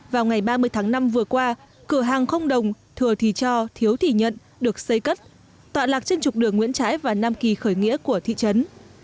vào ngày ba mươi tháng năm vừa qua cửa hàng không đồng thừa thì cho thiếu thì nhận được xây cất tọa lạc trên trục đường nguyễn trãi và nam kỳ khởi nghĩa của thị trấn